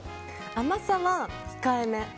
甘さは控えめ。